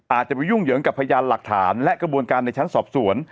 อาจจะไปยุ่งเหยิงกับพยานหลักฐานและกระบวนการในชั้นสอบสวน